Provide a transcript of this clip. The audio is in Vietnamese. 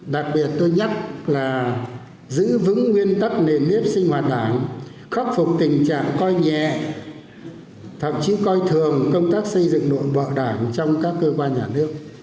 đặc biệt tôi nhắc là giữ vững nguyên tắc nền nếp sinh hoạt đảng khắc phục tình trạng coi nhẹ thậm chí coi thường công tác xây dựng nội bộ đảng trong các cơ quan nhà nước